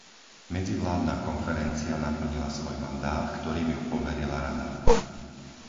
Medzivládna konferencia naplnila svoj mandát, ktorým ju poverila Rada.